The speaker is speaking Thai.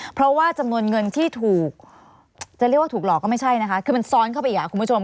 เพราะว่าจำนวนเงินที่ถูกจะเรียกว่าถูกหลอกก็ไม่ใช่นะคะคือมันซ้อนเข้าไปอีกคุณผู้ชม